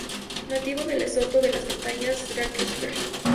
Nativo de Lesoto, de las montañas Drakensberg.